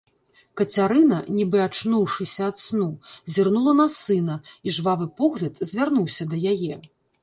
Кацярына, нібы ачнуўшыся ад сну, зірнула на сына, і жвавы погляд звярнуўся да яе.